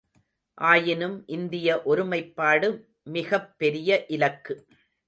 ஆயினும் இந்திய ஒருமைப்பாடு மிகப் பெரிய இலக்கு.